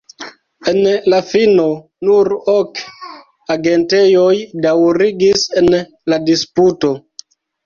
En la fino, nur ok agentejoj daŭrigis en la disputo.